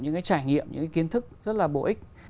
những cái trải nghiệm những cái kiến thức rất là bổ ích